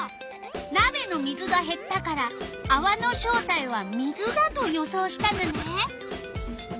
なべの水がへったからあわの正体は水だと予想したのね。